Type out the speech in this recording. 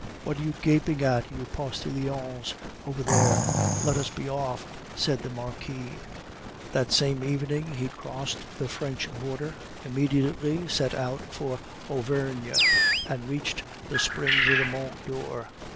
"What are you gaping at, you postilions over there? Let us be off," said the Marquis. That same evening he crossed the French border, immediately set out for Auvergne, and reached the springs of Mont Dore.